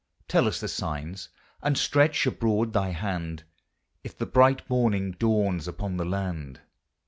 Tell us the signs, and stretch abroad thy hand, If the bright morning dawns upon the land.